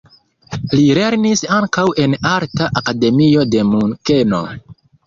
Li lernis ankaŭ en arta akademio de Munkeno.